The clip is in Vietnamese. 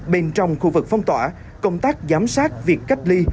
bên trong khu vực phong tỏa công tác giám sát việc cách ly